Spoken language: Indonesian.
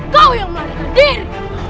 kau yang melihat diri